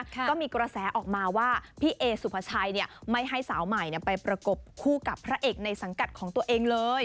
ก็มีกระแสออกมาว่าพี่เอสุภาชัยไม่ให้สาวใหม่ไปประกบคู่กับพระเอกในสังกัดของตัวเองเลย